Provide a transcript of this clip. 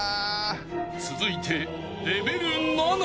［続いて］